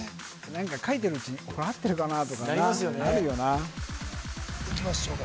何か書いてるうちにこれ合ってるかな？とかなるよないきましょうか